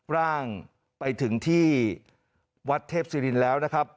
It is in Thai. ร่างไปถึงที่วัดเทพศิรินแล้วนะครับ